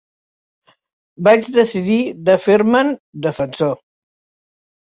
Vaig decidir de fer-me'n defensor.